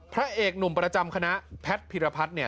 พระเอกหนุ่มประจำคณะแพทย์พิรพัฒน์เนี่ย